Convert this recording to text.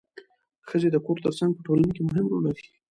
ښځې د کور ترڅنګ په ټولنه کې مهم رول لري